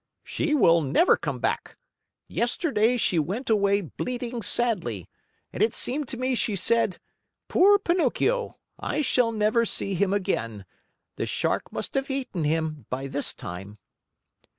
"She will never come back. Yesterday she went away bleating sadly, and it seemed to me she said: 'Poor Pinocchio, I shall never see him again. . .the Shark must have eaten him by this time.